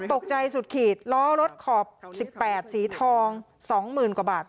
ตกใจสุดขีดล้อรถขอบสิบแปดสีทองสองหมื่นกว่าบาท